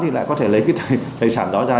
thì lại có thể lấy cái tài sản đó ra